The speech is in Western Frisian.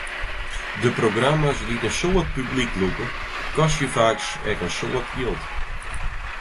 De programma's dy't in soad publyk lûke, kostje faak ek in soad jild.